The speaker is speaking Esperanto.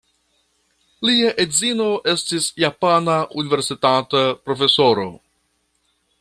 Lia edzino estis japana universitata profesoro.